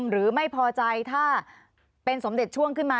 หรือไม่พอใจถ้าเป็นสมเด็จช่วงขึ้นมา